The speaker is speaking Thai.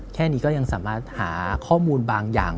แค่นี้ก็ยังสามารถหาข้อมูลบางอย่าง